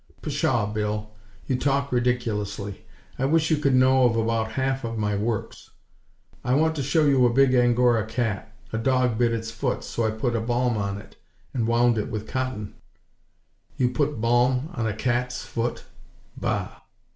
"Pshaw, Bill! You talk ridiculously! I wish you could know of about half of my works. I want to show you a big Angora cat. A dog bit its foot so I put a balm on it and wound it with cotton " "You put balm on a cat's foot!! _Bah!